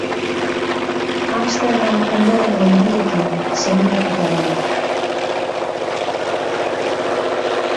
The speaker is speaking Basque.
Amsterdam ondorengo hiriekin senidetuta dago.